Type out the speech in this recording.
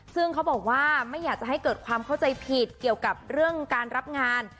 ซึ่งเขาบอกว่าไม่อยากจะให้เกิดความเข้าใจผิดเกี่ยวกับเรื่องการรับงาน